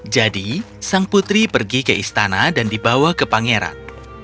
jadi sang putri pergi ke istana dan dibawa ke pangeran